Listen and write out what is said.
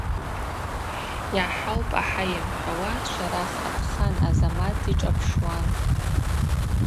Йгӏахӏаупӏ,–ахӏа йымхӏвауа Шварах Атхан Азамат дишӏапшуан.